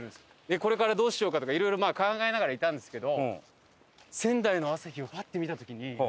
これからどうしようかとかいろいろまあ考えながらいたんですけど。